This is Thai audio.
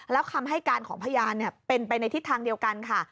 แล้วคำให้การของพยานเป็นไปในทิศทางเดียวกันค่ะ